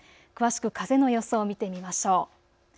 詳しく風の予想を見てみましょう。